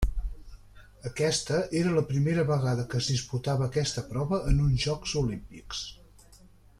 Aquesta era la primera vegada que es disputava aquesta prova en uns Jocs Olímpics.